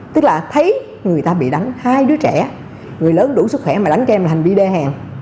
tức là thấy người ta bị đánh hai đứa trẻ người lớn đủ sức khỏe mà đánh cho em là hành vi đê hèn